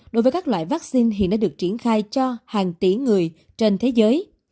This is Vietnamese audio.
đối với các loại vaccine hiện đã được triển khai cho hàng tỷ người trên thế giới